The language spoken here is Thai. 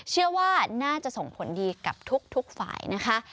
เชื่อว่าน่าจะส่งผลดีกับทุกฝ่ายนะคะ